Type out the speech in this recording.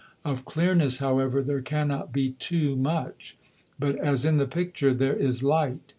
Of clearness, however, there cannot be too much. But, as in the picture, there is light.